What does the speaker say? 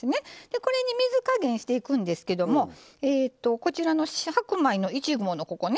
これに水加減していくんですけどもこちらの白米の１合のここね